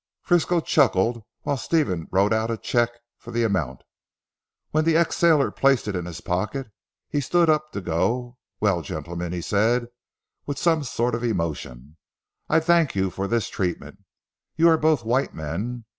Frisco chuckled while Stephen wrote out a cheque for the amount. When the ex sailor placed it in his pocket he stood up to go. "Well, gentlemen," he said, with some sort of emotion, "I thank you for this treatment. You are both white men.